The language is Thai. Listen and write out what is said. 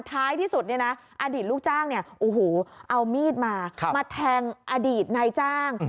ท้ายที่สุดอดีตลูกจ้างเอามีดมามาแทงอดีตในจ้าง